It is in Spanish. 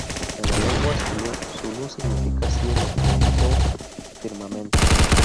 En la lengua zulú, "Zulu" significa "cielo", o "firmamento".